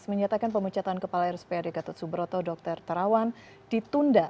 menyatakan pemucatan kepala rsprd gatot subroto dr tarawan ditunda